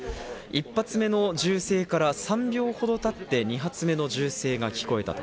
一発目の銃声から３秒ほどたって、２発目の銃声が聞こえた。